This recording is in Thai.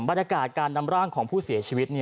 บรรยากาศการนำร่างของผู้เสียชีวิต